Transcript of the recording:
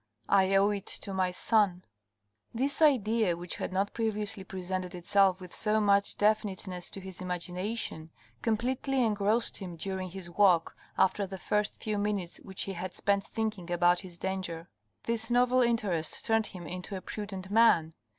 I owe it to my son." This idea, which had not previously presented itself with so much definiteness to his imagination, completely engrossed him during his walk after the first few minutes which he had spent thinking about his danger. This novel interest turned him into a prudent man.